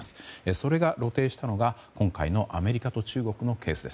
それが露呈したのが今回のアメリカと中国のケースです。